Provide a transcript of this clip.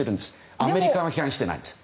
アメリカは批判していないんです。